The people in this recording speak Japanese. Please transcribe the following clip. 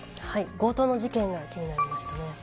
強盗の事件が気になりましたね。